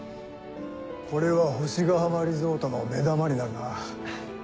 これは星ヶ浜リゾートの目玉になるな。